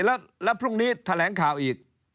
แล้วพรุ่งนี้แถลงข่าวอีก